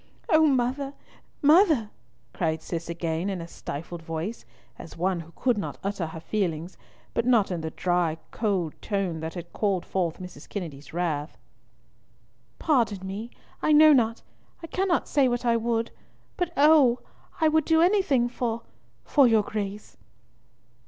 "Oh, mother, mother!" Cis cried again in a stifled voice, as one who could not utter her feelings, but not in the cold dry tone that had called forth Mrs. Kennedy's wrath. "Pardon me, I know not—I cannot say what I would. But oh! I would do anything for—for your Grace."